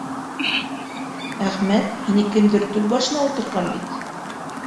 Әхмәт, һине кемдер төп башына ултыртҡан бит!